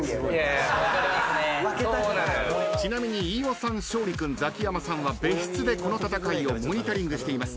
ちなみに飯尾さん勝利君ザキヤマさんは別室でこの戦いをモニタリングしています。